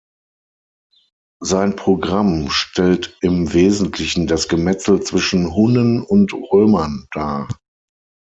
Sein Programm stellt im Wesentlichen das Gemetzel zwischen Hunnen und Römern dar.